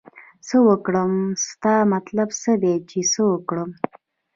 څه وکړم ستا مطلب څه دی چې څه وکړم